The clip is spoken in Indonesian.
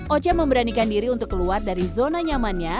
oce memberanikan diri untuk keluar dari zona nyamannya